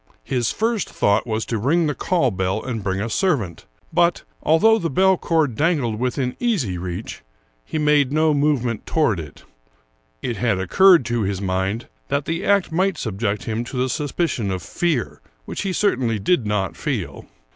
His first thought was to ring the call bell and bring a servant ; but, although the bell cord dangled within easy reach, he made no movement toward it ; it had occurred to his mind that the act might subject him to the suspicion of fear, which he certainly did not feel.